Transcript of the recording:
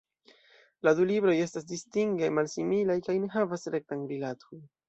La du libroj estas distinge malsimilaj kaj ne havas rektan rilaton.